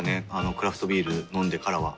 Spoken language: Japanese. クラフトビール飲んでからは。